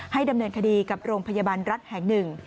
ดำเนินคดีกับโรงพยาบาลรัฐแห่งหนึ่ง